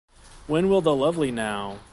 When will the lovely 'now!